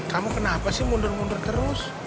kamu kenapa sih mundur mundur terus